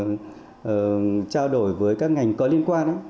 chúng tôi được trao đổi với các ngành có liên quan